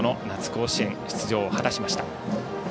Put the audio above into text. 甲子園出場果たしました。